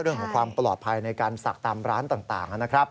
เรื่องของความปลอดภัยในการศักดิ์ตามร้านต่างนะครับ